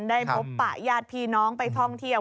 ได้พบปะญาติพี่น้องไปท่องเที่ยว